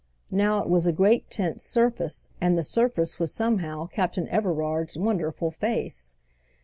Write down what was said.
Now it was a great tense surface, and the surface was somehow Captain Everard's wonderful face.